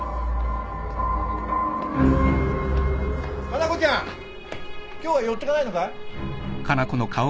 ・加奈子ちゃん。今日は寄ってかないのかい？